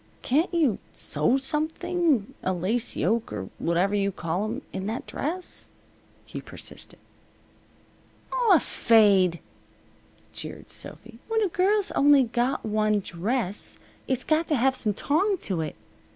"Can't you sew something a lace yoke or whatever you call 'em in that dress?" he persisted. "Aw, fade!" jeered Sophy. "When a girl's only got one dress it's got to have some tong to it.